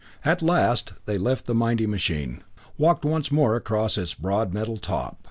At last they left the mighty machine; walked once more across its broad metal top.